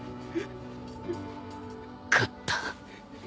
勝った